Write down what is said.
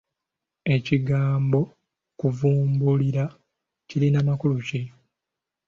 Ekigambo kuvumbulira kirina makulu ki?